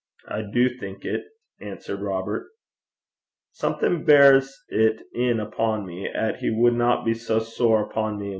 'I duv think it,' answered Robert. 'Something beirs 't in upo' me 'at he wadna be sae sair upo' me himsel'.